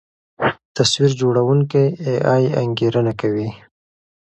تصویر جوړوونکی اې ای انګېرنه کوي.